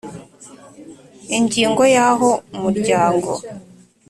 Ingingo ya aho umuryango